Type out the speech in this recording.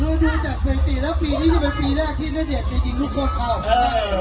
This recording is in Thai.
ดูจากเศรษฐีแล้วปีนี้ก็เป็นปีแรกที่ณเดชน์จะยิงทุกคนเขา